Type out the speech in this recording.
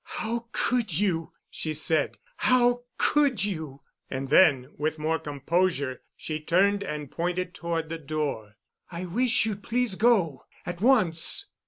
"] "How could you?" she said. "How could you?" And then, with more composure, she turned and pointed toward the door. "I wish you'd please go—at once."